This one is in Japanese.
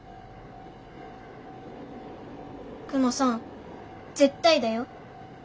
クマさん絶対だよ。